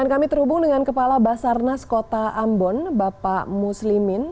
dan kami terhubung dengan kepala basarnas kota ambon bapak muslimin